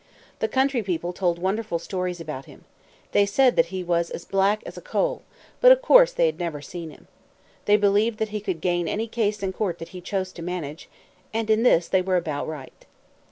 The country people told wonderful stories about him. They said that he was as black as a coal but of course they had never seen him. They believed that he could gain any case in court that he chose to manage and in this they were about right.